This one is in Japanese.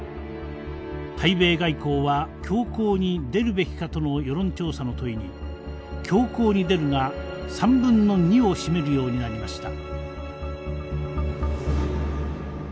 対米外交は強硬に出るべきかとの世論調査の問いに「強硬に出る」が2/3を占めるようになりました。